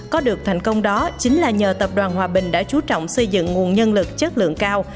có được thành công đó chính là nhờ tập đoàn hòa bình đã chú trọng xây dựng nguồn nhân lực chất lượng cao